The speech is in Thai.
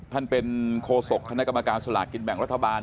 ท่านเป็นโคศกคณะกรรมการสลากกินแบ่งรัฐบาล